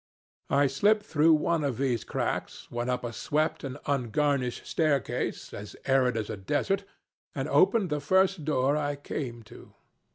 I slipped through one of these cracks, went up a swept and ungarnished staircase, as arid as a desert, and opened the first door I came to.